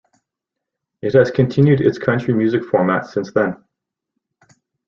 It has continued its country music format since then.